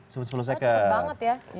cepet banget ya